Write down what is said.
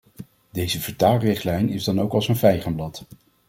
Deze vertaalrichtlijn is dan ook als een vijgenblad.